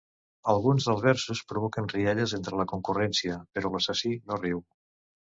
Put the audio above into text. Alguns dels versos provoquen rialles entre la concurrència, però l'assassí no riu.